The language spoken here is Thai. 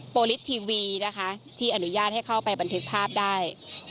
ลิสทีวีนะคะที่อนุญาตให้เข้าไปบันทึกภาพได้